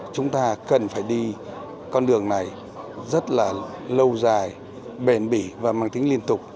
chúng ta cần phải đi con đường này rất là lâu dài bền bỉ và mang tính liên tục